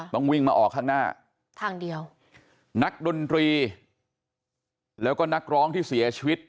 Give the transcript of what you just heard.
ต้องวิ่งมาออกข้างหน้าทางเดียวนักดนตรีแล้วก็นักร้องที่เสียชีวิต